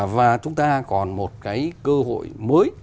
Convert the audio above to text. và chúng ta còn một cơ hội mới